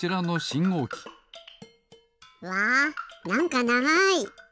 うわなんかながい。